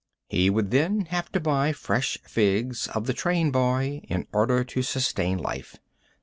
He would then have to buy fresh figs of the train boy in order to sustain life.